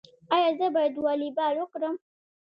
ایا زه باید والیبال وکړم؟